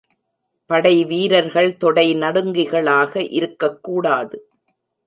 படைவீரர்கள் தொடை நடுங்கிகளாக இருக்கக் கூடாது.